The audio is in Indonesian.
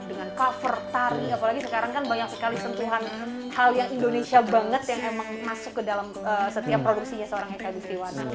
dengan cover tari apalagi sekarang kan banyak sekali sentuhan hal yang indonesia banget yang emang masuk ke dalam setiap produksinya seorang eka gustiwana